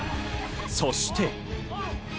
そして。